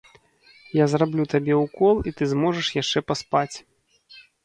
Я зраблю табе ўкол і ты зможаш яшчэ паспаць.